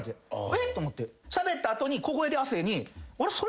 えっ？と思ってしゃべった後に小声で亜生に。